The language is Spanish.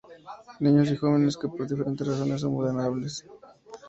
Niños y jóvenes que por diferentes razones son vulnerables.